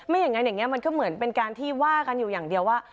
อย่างนั้นอย่างนี้มันก็เหมือนเป็นการที่ว่ากันอยู่อย่างเดียวว่า